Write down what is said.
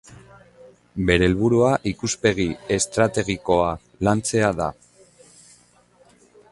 Bere helburua ikuspegi estrategikoa lantzea da.